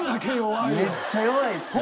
めっちゃ弱いっすやん。